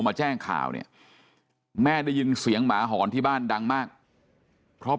มาแจ้งข่าวเนี่ยแม่ได้ยินเสียงหมาหอนที่บ้านดังมากเพราะ